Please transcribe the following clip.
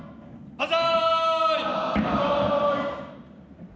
万歳！